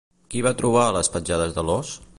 Qui va trobar les petjades de l'os?